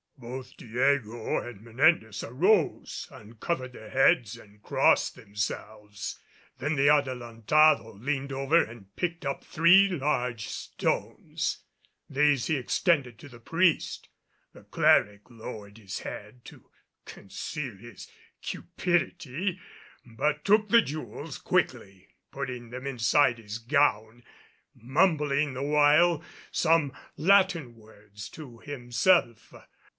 Both Diego and Menendez arose, uncovered their heads, and crossed themselves. Then the Adelantado leaned over and picked up three large stones. These he extended to the priest. The cleric lowered his head to conceal his cupidity; but took the jewels quickly, putting them inside his gown, mumbling the while some Latin words to himself.